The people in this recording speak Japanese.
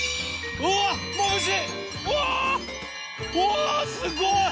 うわすごい！